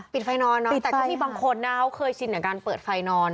ปิดไฟนอนเนอะแต่พี่บาโงเคิดนะเขาเคยชินกับการเปิดไฟนอน